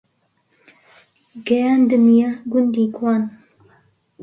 گەیاندمیە گوندی گوان